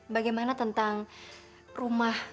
bagaimana tentang rumah